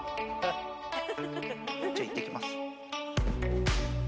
じゃあいってきます。